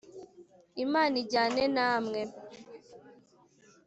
Imana ijyane namwe